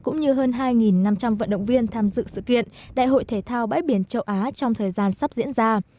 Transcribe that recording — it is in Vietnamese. cũng như hơn hai năm trăm linh vận động viên tham dự sự kiện đại hội thể thao bãi biển châu á trong thời gian sắp diễn ra